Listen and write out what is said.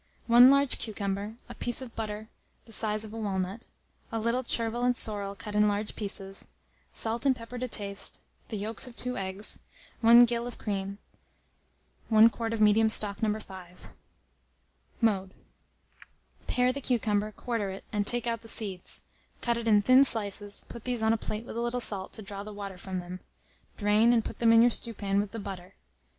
1 large cucumber, a piece of butter the size of a walnut, a little chervil and sorrel cut in large pieces, salt and pepper to taste, the yolks of 2 eggs, 1 gill of cream, 1 quart of medium stock No. 105. Mode. Pare the cucumber, quarter it, and take out the seeds; cut it in thin slices, put these on a plate with a little salt, to draw the water from them; drain, and put them in your stewpan, with the butter.